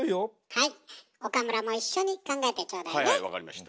はいはい分かりました。